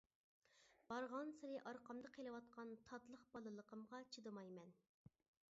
بارغانسېرى ئارقامدا قېلىۋاتقان تاتلىق بالىلىقىمغا چىدىمايمەن!